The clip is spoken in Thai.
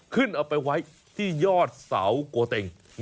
ขึ้นไปไว้ที่ยอดเสาโกเต็ง